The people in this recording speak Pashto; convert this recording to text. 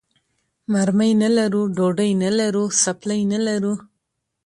مرمۍ نه لرو، ډوډۍ نه لرو، څپلۍ نه لرو.